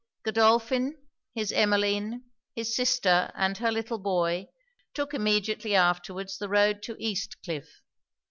Godolphin, his Emmeline, his sister and her little boy, took immediately afterwards the road to East Cliff.